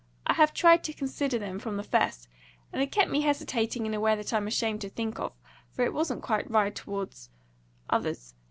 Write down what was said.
I have tried to consider them from the first, and it kept me hesitating in a way that I'm ashamed to think of; for it wasn't quite right towards others.